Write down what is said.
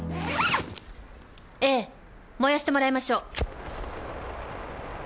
えぇ燃やしてもらいましょう。